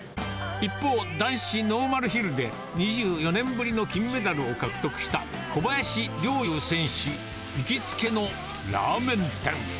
一方、男子ノーマルヒルで２４年ぶりの金メダルを獲得した小林陵侑選手行きつけのラーメン店。